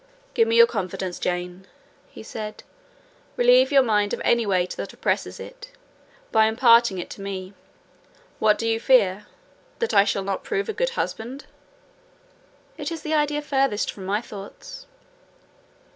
"Give me your confidence, Jane," he said: "relieve your mind of any weight that oppresses it, by imparting it to me. What do you fear?—that I shall not prove a good husband?" "It is the idea farthest from my thoughts."